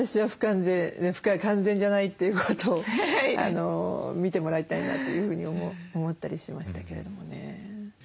私は完全じゃないということを見てもらいたいなというふうに思ったりしましたけれどもね。